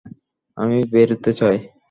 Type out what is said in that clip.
আমি বেরোতে চাই।